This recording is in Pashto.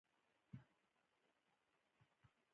افغانستان د نورستان له پلوه یو خورا غني او بډایه هیواد دی.